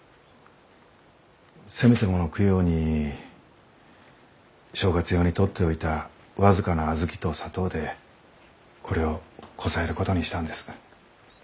せめてもの供養に正月用に取って置いた僅かな小豆と砂糖でこれをこさえることにしたんです。